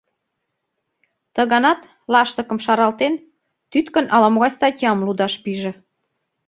Ты ганат, лаштыкым шаралтен, тӱткын ала-могай статьям лудаш пиже.